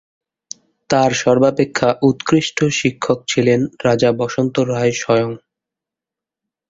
তার সর্বাপেক্ষা উৎকৃষ্ট শিক্ষক ছিলেন রাজা বসন্ত রায় স্বয়ং।